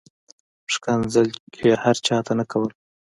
ښکنځل یې هر چاته نه کول.